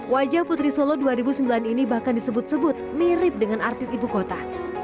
wajah putri solo dua ribu sembilan ini bahkan disebut sebut mirip dengan artis ibu kota